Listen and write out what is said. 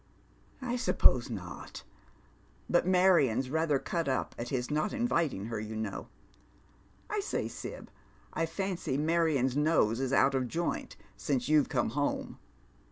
" I suppose not ; hut Marion's ratlier cut up at his not inviting her, you know. I say, Sib, I fancy Marion's nose is out of joint since you've come home."